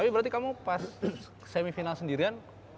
berarti kamu pas semifinal sendirian